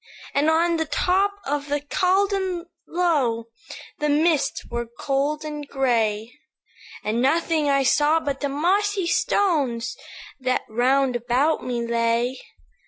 "And on the top of the Caldon Low The mists were cold and gray, And nothing I saw but the mossy stones That round about me lay.